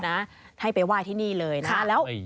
เล่นให้ไปไหว้ที่นี่เลยนะ